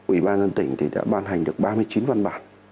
ủy ban nhân tỉnh thì đã ban hành được ba mươi chín văn bản